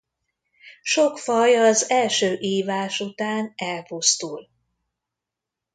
Sok faj az első ívás után elpusztul.